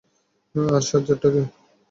আর সাজ্জাদটা কে?